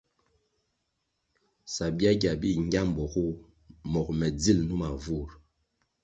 Sabyagya bi ngya mbpuogu mogo me dzil numa vur.